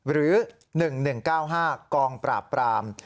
หรือ๑๑๙๕กองปราบปราม